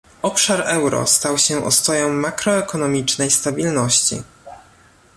Obszar euro stał się ostoją makroekonomicznej stabilności